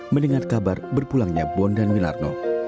mendengar kabar berpulangnya bondan wilarno